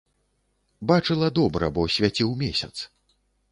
Бачыла добра, бо свяціў месяц.